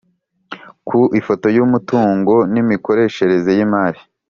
Ku ifoto y umutungo n imikoreshereze y imari